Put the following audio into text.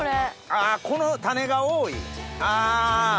あこの種が多い。